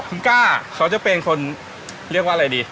คุณก้าเขาจะเป็นคนเรียกว่าอะไรดี